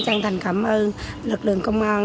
chân thành cảm ơn lực lượng công an